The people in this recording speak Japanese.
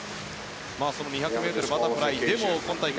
その２００ｍバタフライでもでも今大会